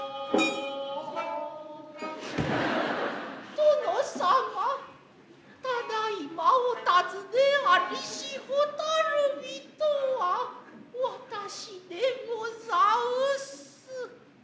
殿様ただいまおたづねありし蛍火とは私でござんす。